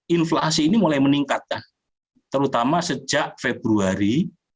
inflasi ini mulai meningkat terutama sejak februari